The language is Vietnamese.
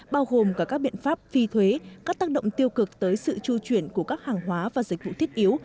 bao gồm cả các biện pháp phi thuế các tác động tiêu cực tới sự tru chuyển của các hàng hóa và dịch vụ thiết yếu